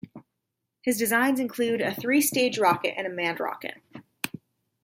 His designs include a three-stage rocket and a manned rocket.